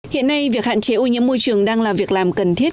hiện nay việc hạn chế ô nhiễm môi trường đang là việc làm cần thiết